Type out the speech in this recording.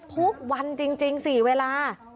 ทุกวันจริง๔เวลา